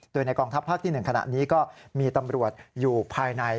โดยในกองทัพภาคที่๑ขณะนี้ก็มีตำรวจอยู่ภายใน